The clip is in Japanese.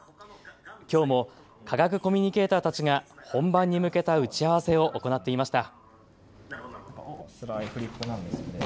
きょうも科学コミュニケーターたちが本番に向けた打ち合わせを行っていました。